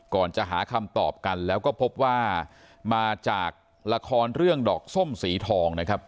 ก่อนจะหาคำตอบกันแล้วก็พบว่ามาจากละครเรื่องดอกส้มสีทองนะครับ